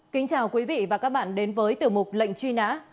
kính chào quý vị và các bạn đến với tiểu mục lệnh truy nã